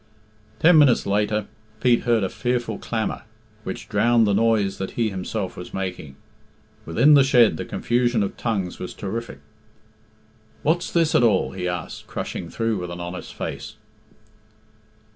Ten minutes later Pete heard a fearful clamour, which drowned the noise that he himself was making. Within the shed the confusion of tongues was terrific. "What's this at all?" he asked, crushing through with an innocent face.